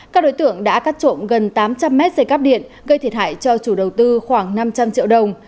các đối tượng đã cắt trộm gần tám trăm linh mét dây cắp điện gây thiệt hại cho chủ đầu tư khoảng năm trăm linh triệu đồng